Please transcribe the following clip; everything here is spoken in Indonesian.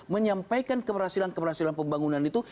menyampaikan keberhasilan keberhasilan pembangunan itu